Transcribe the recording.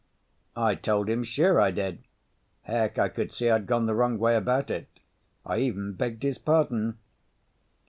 I told him sure I did. Heck, I could see I'd gone the wrong way about it. I even begged his pardon.